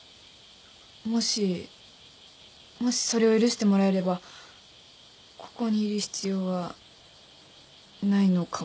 もしもしそれを許してもらえればここにいる必要はないのかも。